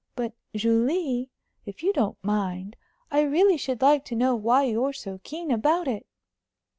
But, Julie, if you don't mind, I really should like to know why you're so keen about it?"